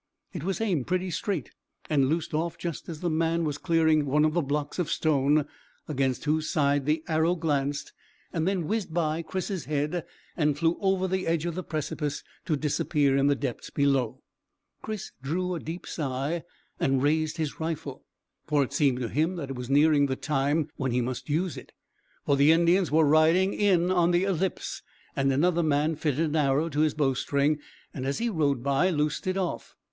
It was aimed pretty straight, and loosed off just as the man was clearing one of the blocks of stone, against whose side the arrow glanced and then whizzed by Chris's head and flew over the edge of the precipice, to disappear in the depths below. Chris drew a deep sigh and raised his rifle, for it seemed to him that it was nearing the time when he must use it. For the Indians were riding on in the ellipse, and another man fitted an arrow to his bowstring, and as he rode by loosed it off.